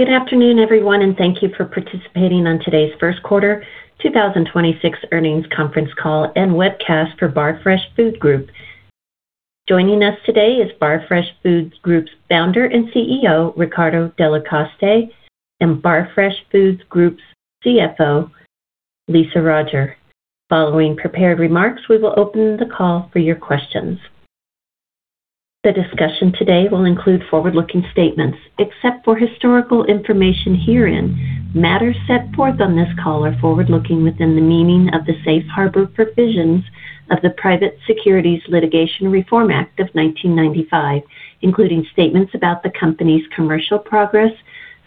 Good afternoon, everyone, and thank you for participating on today's First Quarter 2026 Earnings Conference Call and Webcast for Barfresh Food Group. Joining us today is Barfresh Food Group's Founder and CEO, Riccardo Delle Coste, and Barfresh Food Group's CFO, Lisa Roger. Following prepared remarks, we will open the call for your questions. The discussion today will include forward-looking statements. Except for historical information herein, matters set forth on this call are forward-looking within the meaning of the Safe Harbor provisions of the Private Securities Litigation Reform Act of 1995, including statements about the company's commercial progress,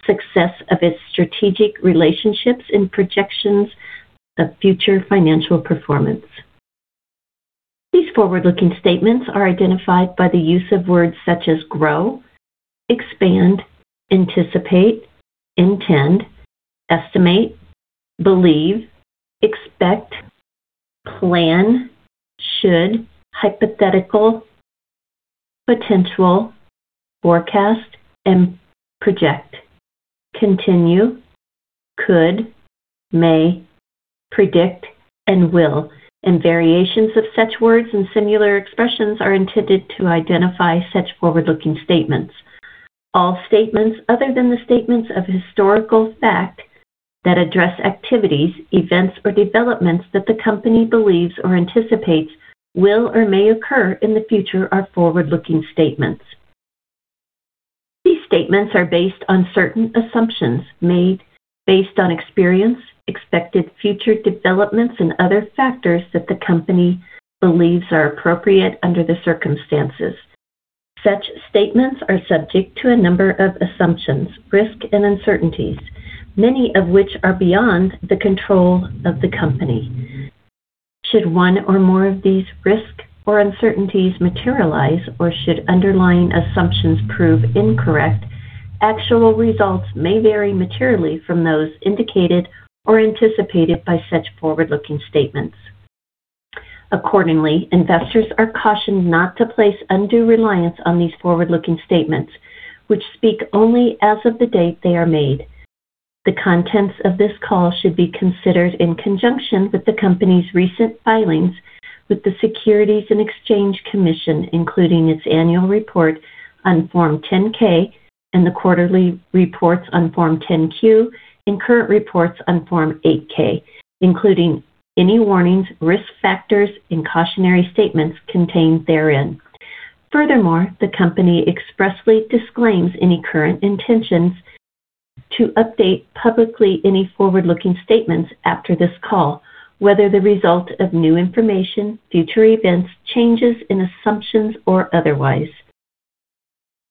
success of its strategic relationships, and projections of future financial performance. These forward-looking statements are identified by the use of words such as grow, expand, anticipate, intend, estimate, believe, expect, plan, should, hypothetical, potential, forecast, and project, continue, could, may, predict, and will, and variations of such words and similar expressions are intended to identify such forward-looking statements. All statements other than the statements of historical fact that address activities, events, or developments that the company believes or anticipates will or may occur in the future are forward-looking statements. These statements are based on certain assumptions made based on experience, expected future developments, and other factors that the company believes are appropriate under the circumstances. Such statements are subject to a number of assumptions, risks, and uncertainties, many of which are beyond the control of the company. Should one or more of these risks or uncertainties materialize, or should underlying assumptions prove incorrect, actual results may vary materially from those indicated or anticipated by such forward-looking statements. Accordingly, investors are cautioned not to place undue reliance on these forward-looking statements, which speak only as of the date they are made. The contents of this call should be considered in conjunction with the company's recent filings with the Securities and Exchange Commission, including its annual report on Form 10-K and the quarterly reports on Form 10-Q and current reports on Form 8-K, including any warnings, risk factors, and cautionary statements contained therein. Furthermore, the company expressly disclaims any current intentions to update publicly any forward-looking statements after this call, whether the result of new information, future events, changes in assumptions, or otherwise.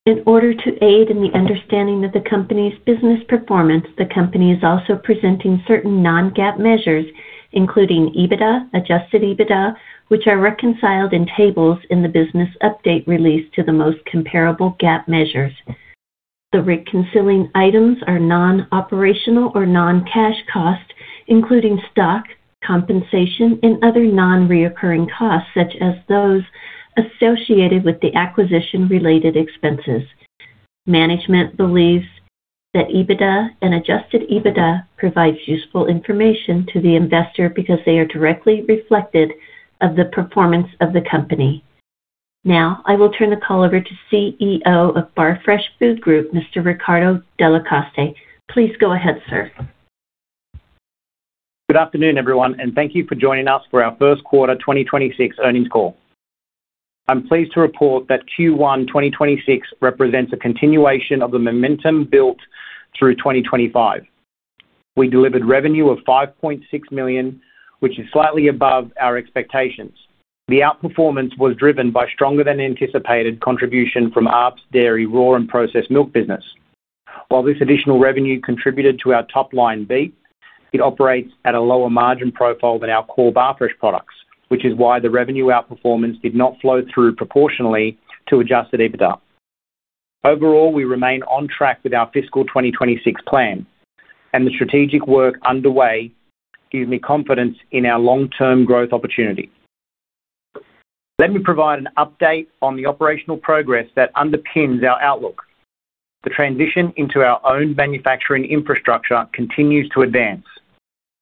In order to aid in the understanding of the company's business performance, the company is also presenting certain non-GAAP measures, including EBITDA, adjusted EBITDA, which are reconciled in tables in the business update released to the most comparable GAAP measures. The reconciling items are non-operational or non-cash costs, including stock, compensation, and other non-recurring costs, such as those associated with the acquisition-related expenses. Management believes that EBITDA and adjusted EBITDA provides useful information to the investor because they are directly reflected of the performance of the company. I will turn the call over to CEO of Barfresh Food Group, Mr. Riccardo Delle Coste. Please go ahead, sir. Good afternoon, everyone, and thank you for joining us for our first quarter 2026 earnings call. I'm pleased to report that Q1 2026 represents a continuation of the momentum built through 2025. We delivered revenue of $5.6 million, which is slightly above our expectations. The outperformance was driven by stronger than anticipated contribution from Arps Dairy Raw and Processed Milk business. While this additional revenue contributed to our top-line beat, it operates at a lower margin profile than our core Barfresh products, which is why the revenue outperformance did not flow through proportionally to adjusted EBITDA. Overall, we remain on track with our fiscal 2026 plan, and the strategic work underway gives me confidence in our long-term growth opportunity. Let me provide an update on the operational progress that underpins our outlook. The transition into our own manufacturing infrastructure continues to advance.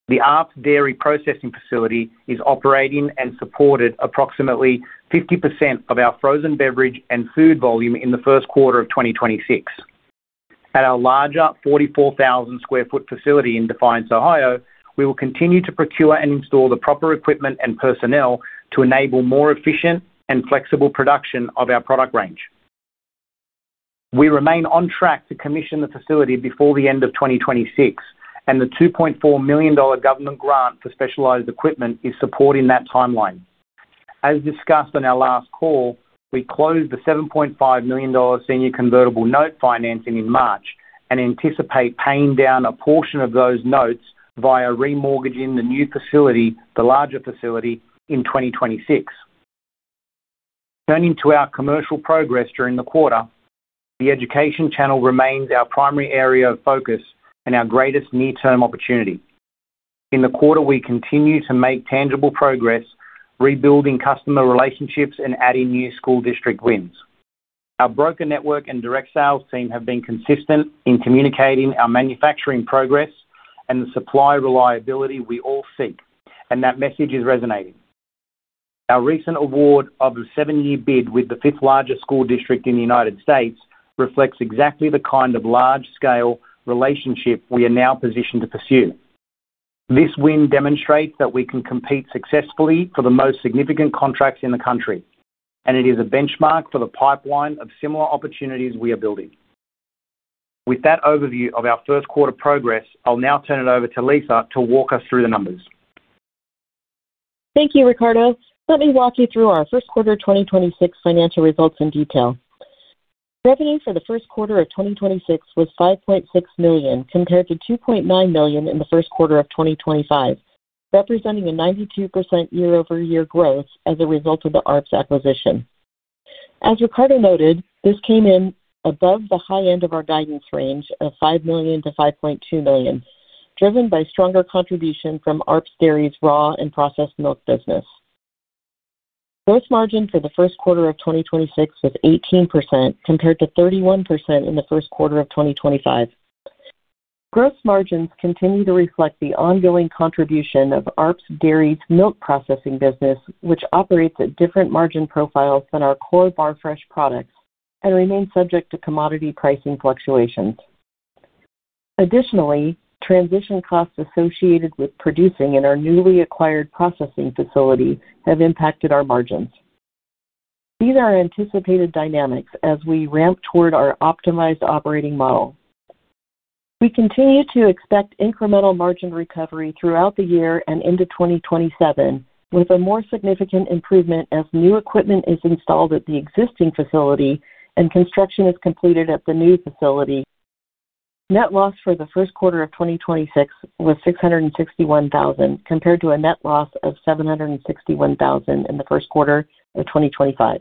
The Arps Dairy processing facility is operating and supported approximately 50% of our frozen beverage and food volume in the first quarter of 2026. At our larger 44,000 sq ft facility in Defiance, Ohio, we will continue to procure and install the proper equipment and personnel to enable more efficient and flexible production of our product range. We remain on track to commission the facility before the end of 2026, and the $2.4 million government grant for specialized equipment is supporting that timeline. As discussed on our last call, we closed the $7.5 million senior convertible note financing in March and anticipate paying down a portion of those notes via remortgaging the new facility, the larger facility in 2026. Turning to our commercial progress during the quarter, the education channel remains our primary area of focus and our greatest near-term opportunity. In the quarter, we continue to make tangible progress rebuilding customer relationships and adding new school district wins. Our broker network and direct sales team have been consistent in communicating our manufacturing progress and the supply reliability we all seek. That message is resonating. Our recent award of the seven-year bid with the fifth largest school district in the United States. reflects exactly the kind of large-scale relationship we are now positioned to pursue. This win demonstrates that we can compete successfully for the most significant contracts in the country. It is a benchmark for the pipeline of similar opportunities we are building. With that overview of our first quarter progress, I'll now turn it over to Lisa to walk us through the numbers. Thank you, Riccardo. Let me walk you through our first quarter 2026 financial results in detail. Revenue for the first quarter of 2026 was $5.6 million, compared to $2.9 million in the first quarter of 2025, representing a 92% year-over-year growth as a result of the Arps acquisition. As Riccardo noted, this came in above the high end of our guidance range of $5 million-$5.2 million, driven by stronger contribution from Arps Dairy's raw and processed milk business. Gross margin for the first quarter of 2026 was 18%, compared to 31% in the first quarter of 2025. Gross margins continue to reflect the ongoing contribution of Arps Dairy's milk processing business, which operates at different margin profiles than our core Barfresh products and remains subject to commodity pricing fluctuations. Additionally, transition costs associated with producing in our newly acquired processing facility have impacted our margins. These are anticipated dynamics as we ramp toward our optimized operating model. We continue to expect incremental margin recovery throughout the year and into 2027, with a more significant improvement as new equipment is installed at the existing facility and construction is completed at the new facility. Net loss for the first quarter of 2026 was $661,000, compared to a net loss of $761,000 in the first quarter of 2025.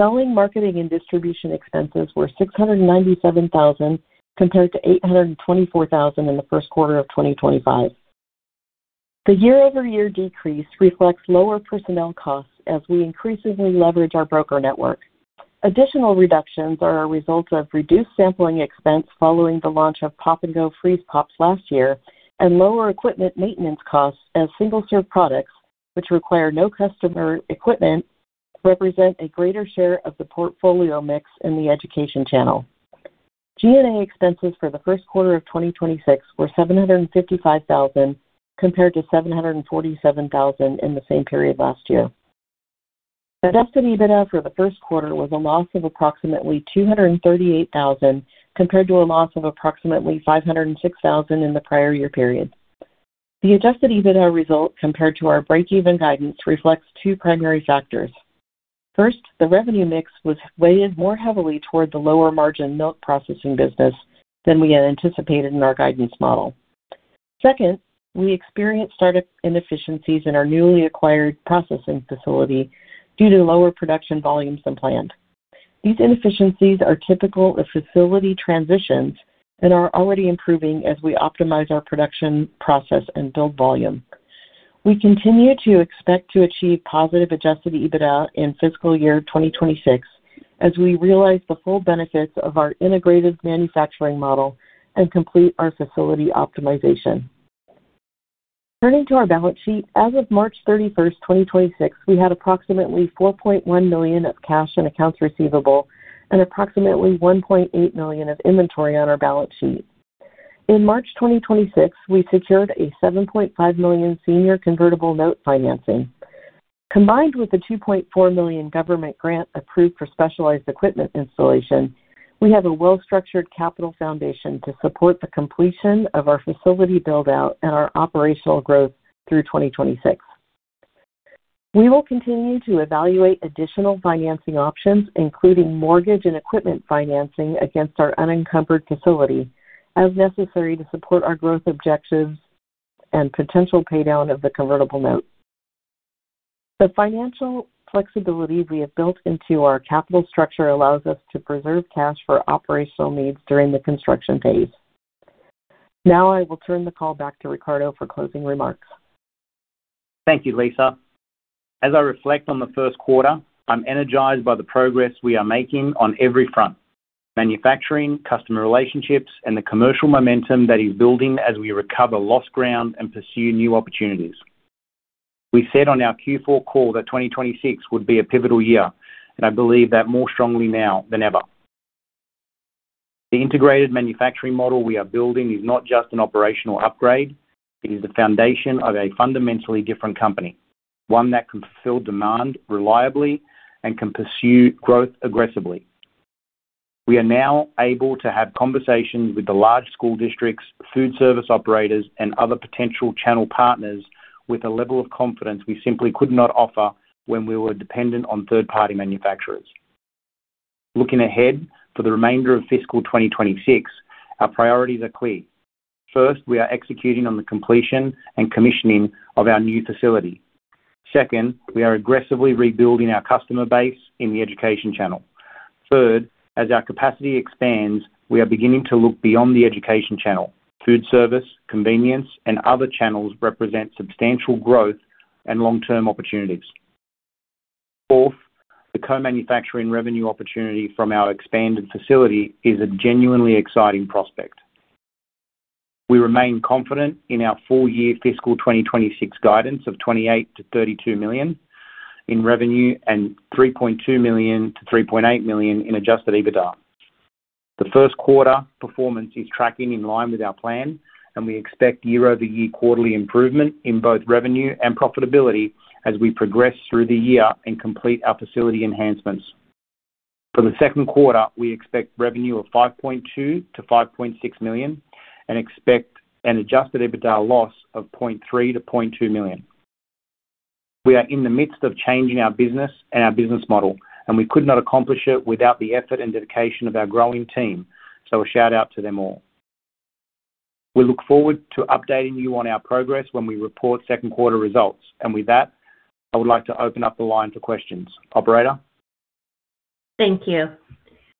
Selling, marketing, and distribution expenses were $697,000, compared to $824,000 in the first quarter of 2025. The year-over-year decrease reflects lower personnel costs as we increasingly leverage our broker network. Additional reductions are a result of reduced sampling expense following the launch of Pop & Go Freeze Pops last year and lower equipment maintenance costs as single-serve products, which require no customer equipment, represent a greater share of the portfolio mix in the education channel. G&A expenses for the first quarter of 2026 were $755,000, compared to $747,000 in the same period last year. Adjusted EBITDA for the first quarter was a loss of approximately $238,000, compared to a loss of approximately $506,000 in the prior year period. The adjusted EBITDA result compared to our breakeven guidance reflects two primary factors. First, the revenue mix was weighted more heavily toward the lower-margin milk processing business than we had anticipated in our guidance model. Second, we experienced startup inefficiencies in our newly acquired processing facility due to lower production volumes than planned. These inefficiencies are typical of facility transitions and are already improving as we optimize our production process and build volume. We continue to expect to achieve positive adjusted EBITDA in fiscal year 2026 as we realize the full benefits of our integrated manufacturing model and complete our facility optimization. Turning to our balance sheet, as of March 31, 2026, we had approximately $4.1 million of cash and accounts receivable and approximately $1.8 million of inventory on our balance sheet. In March 2026, we secured a $7.5 million senior convertible note financing. Combined with the $2.4 million government grant approved for specialized equipment installation, we have a well-structured capital foundation to support the completion of our facility build-out and our operational growth through 2026. We will continue to evaluate additional financing options, including mortgage and equipment financing against our unencumbered facility as necessary to support our growth objectives and potential paydown of the convertible note. The financial flexibility we have built into our capital structure allows us to preserve cash for operational needs during the construction phase. Now, I will turn the call back to Riccardo for closing remarks. Thank you, Lisa. As I reflect on the first quarter, I'm energized by the progress we are making on every front: manufacturing, customer relationships, and the commercial momentum that is building as we recover lost ground and pursue new opportunities. We said on our Q4 call that 2026 would be a pivotal year, and I believe that more strongly now than ever. The integrated manufacturing model we are building is not just an operational upgrade, it is the foundation of a fundamentally different company, one that can fulfill demand reliably and can pursue growth aggressively. We are now able to have conversations with the large school districts, food service operators, and other potential channel partners with a level of confidence we simply could not offer when we were dependent on third-party manufacturers. Looking ahead for the remainder of fiscal 2026, our priorities are clear. First, we are executing on the completion and commissioning of our new facility. Second, we are aggressively rebuilding our customer base in the education channel. Third, as our capacity expands, we are beginning to look beyond the education channel. Food service, convenience, and other channels represent substantial growth and long-term opportunities. Fourth, the co-manufacturing revenue opportunity from our expanded facility is a genuinely exciting prospect. We remain confident in our full-year fiscal 2026 guidance of $28 million-$32 million in revenue and $3.2 million-$3.8 million in adjusted EBITDA. The first quarter performance is tracking in line with our plan, and we expect year-over-year quarterly improvement in both revenue and profitability as we progress through the year and complete our facility enhancements. For the second quarter, we expect revenue of $5.2 million-$5.6 million and expect an adjusted EBITDA loss of -$0.3 million to -$0.2 million. We are in the midst of changing our business and our business model, we could not accomplish it without the effort and dedication of our growing team. A shout-out to them all. We look forward to updating you on our progress when we report second quarter results. With that, I would like to open up the line for questions. Operator? Thank you.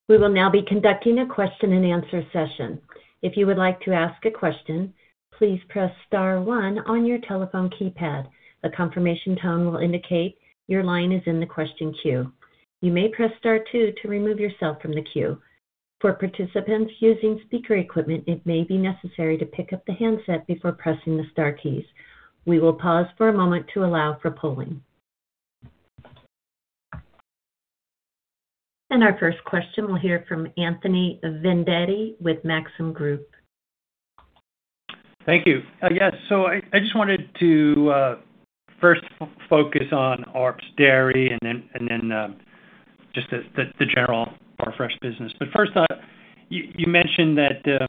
We will now be conducting a question-and-answer session. If you would like to ask a question, please press star one on your telephone keypad. A confirmation tone will indicate your line is in the question queue. You may press star two to remove yourself from the queue. For participants using speaker equipment, it may be necessary to pick up the handset before pressing the star keys. We will pause for a moment to allow for polling. Our first question, we'll hear from Anthony Vendetti with Maxim Group. Thank you. Yes. I just wanted to first focus on Arps Dairy and then the general Barfresh business. First, you mentioned that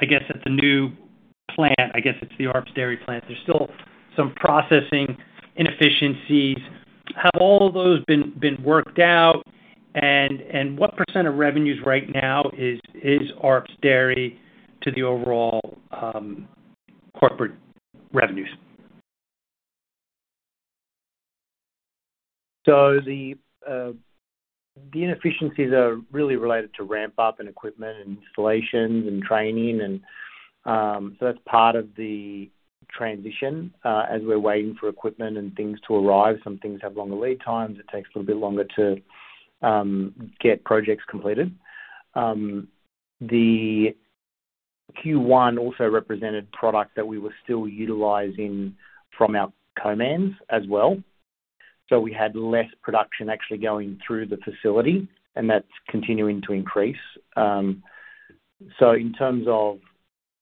I guess at the new plant, I guess it's the Arps Dairy plant, there's still some processing inefficiencies. Have all of those been worked out? What percent of revenues right now is Arps Dairy to the overall corporate revenues? The inefficiencies are really related to ramp up and equipment and installations and training and that's part of the transition as we're waiting for equipment and things to arrive. Some things have longer lead times. It takes a little bit longer to get projects completed. The Q1 also represented product that we were still utilizing from our co-man as well. We had less production actually going through the facility, and that's continuing to increase. In terms of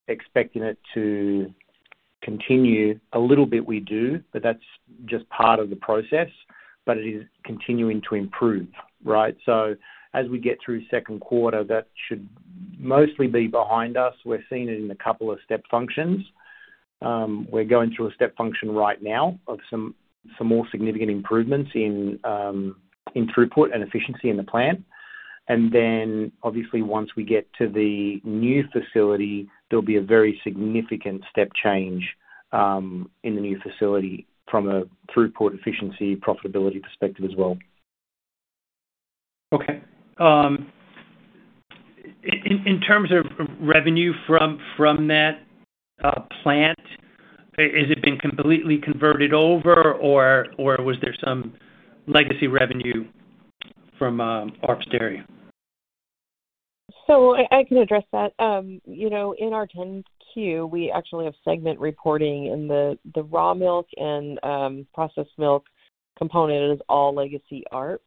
expecting it to continue, a little bit we do, but that's just part of the process, but it is continuing to improve, right? As we get through second quarter, that should mostly be behind us. We're seeing it in a couple of step functions. We're going through a step function right now of some more significant improvements in throughput and efficiency in the plant. Obviously, once we get to the new facility, there'll be a very significant step change in the new facility from a throughput efficiency, profitability perspective as well. Okay. In terms of revenue from that plant, has it been completely converted over, or was there some legacy revenue from Arps Dairy? I can address that. You know, in our 10-Q, we actually have segment reporting in the raw milk and processed milk component is all legacy Arps.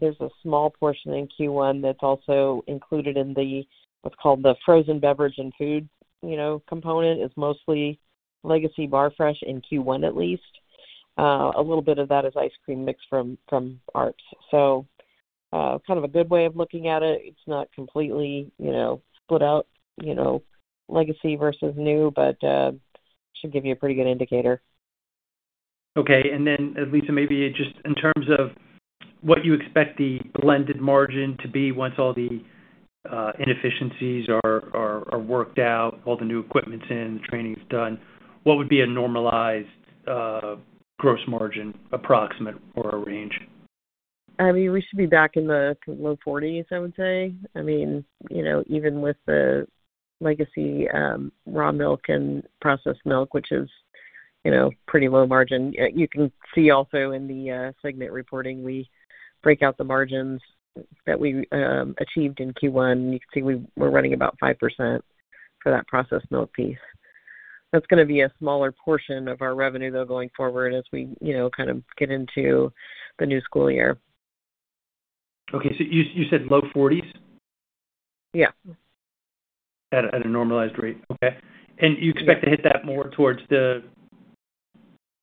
There's a small portion in Q1 that's also included in the, what's called the frozen beverage and food, you know, component. It's mostly legacy Barfresh in Q1 at least. A little bit of that is ice cream mix from Arps. Kind of a good way of looking at it. It's not completely, you know, split out, you know, legacy versus new, but should give you a pretty good indicator. Okay. Lisa, maybe just in terms of what you expect the blended margin to be once all the inefficiencies are worked out, all the new equipment's in, the training's done, what would be a normalized gross margin approximate or a range? I mean, we should be back in the low 40s, I would say. I mean, you know, even with the legacy, raw milk and processed milk, which is, you know, pretty low margin. You can see also in the segment reporting, we break out the margins that we achieved in Q1. You can see we're running about 5% for that processed milk piece. That's gonna be a smaller portion of our revenue, though, going forward as we, you know, kind of get into the new school year. Okay. You said low forties? Yeah. At a normalized rate. Okay. You expect to hit that more towards the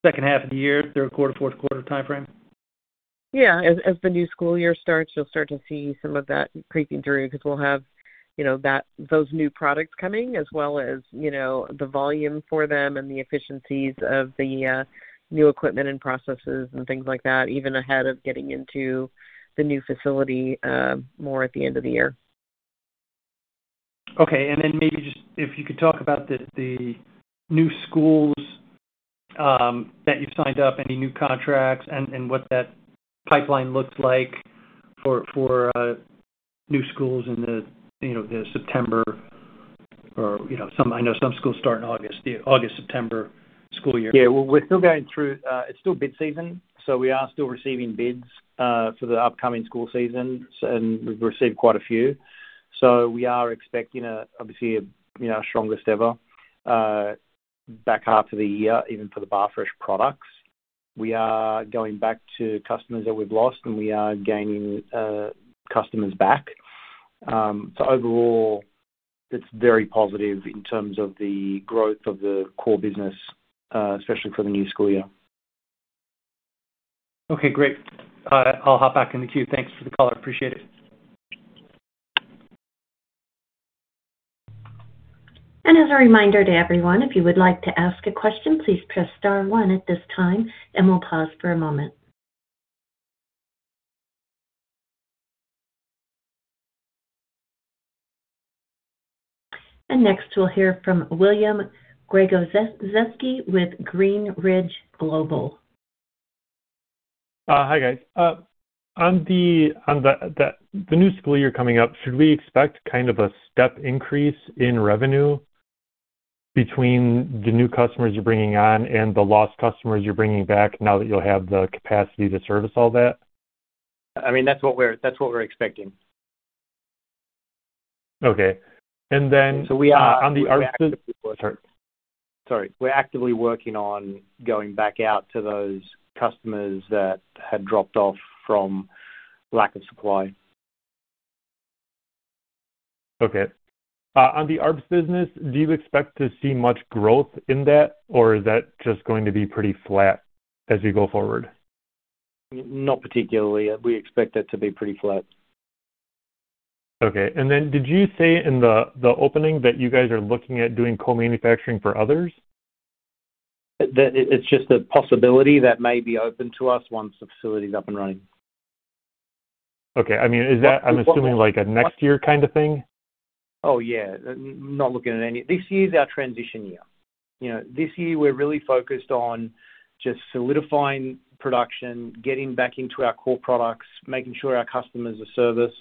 second half of the year, third quarter, fourth quarter timeframe? Yeah. As the new school year starts, you'll start to see some of that creeping through because we'll have, you know, those new products coming as well as, you know, the volume for them and the efficiencies of the new equipment and processes and things like that, even ahead of getting into the new facility, more at the end of the year. Okay. Then maybe just if you could talk about the new schools, that you've signed up, any new contracts, and what that pipeline looks like for new schools in the, you know, the September or, you know, I know some schools start in August. The August, September school year. Yeah. Well, we're still going through. It's still bid season. We are still receiving bids for the upcoming school season. We've received quite a few. We are expecting obviously, you know, our strongest ever back half of the year, even for the Barfresh products. We are going back to customers that we've lost. We are gaining customers back. Overall, it's very positive in terms of the growth of the core business, especially for the new school year. Okay, great. I'll hop back in the queue. Thanks for the call. Appreciate it. As a reminder to everyone, if you would like to ask a question, please press star one at this time, and we'll pause for a moment. Next, we'll hear from William Gregozeski with Greenridge Global. Hi, guys. On the new school year coming up, should we expect kind of a step increase in revenue between the new customers you're bringing on and the lost customers you're bringing back now that you'll have the capacity to service all that? I mean, that's what we're expecting. Okay. So we are. On the Arps. We're actively working. Sorry. Sorry. We're actively working on going back out to those customers that had dropped off from lack of supply. Okay. On the Arps Dairy business, do you expect to see much growth in that, or is that just going to be pretty flat as you go forward? Not particularly. We expect that to be pretty flat. Okay. Did you say in the opening that you guys are looking at doing co-manufacturing for others? That it's just a possibility that may be open to us once the facility is up and running. Okay. I mean. What, what? I'm assuming like a next year kind of thing. Oh, yeah. This year is our transition year. You know, this year we're really focused on just solidifying production, getting back into our core products, making sure our customers are serviced,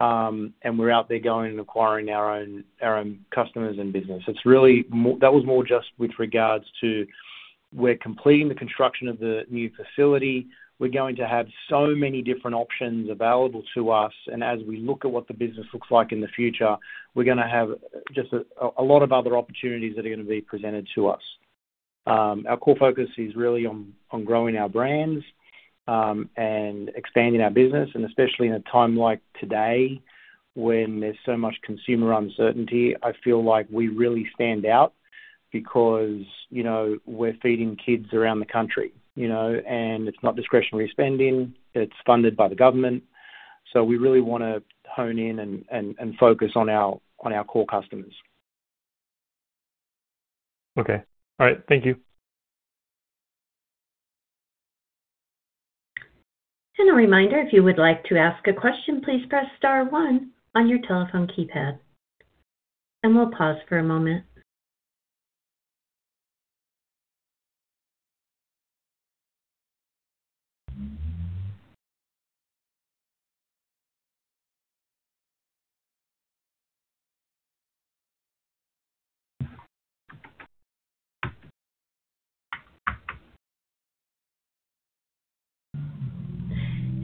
and we're out there going and acquiring our own customers and business. That was more just with regards to we're completing the construction of the new facility. We're going to have so many different options available to us, and as we look at what the business looks like in the future, we're gonna have just a lot of other opportunities that are gonna be presented to us. Our core focus is really on growing our brands, and expanding our business. Especially in a time like today when there's so much consumer uncertainty, I feel like we really stand out because, you know, we're feeding kids around the country, you know. It's not discretionary spending. It's funded by the government. We really wanna hone in and focus on our, on our core customers. Okay. All right. Thank you. A reminder, if you would like to ask a question, please press star one on your telephone keypad. We'll pause for a moment.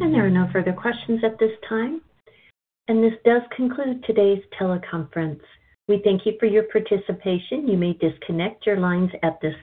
There are no further questions at this time. This does conclude today's teleconference. We thank you for your participation. You may disconnect your lines at this time.